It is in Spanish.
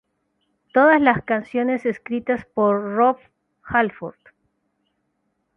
Todas las canciones escritas por Rob Halford.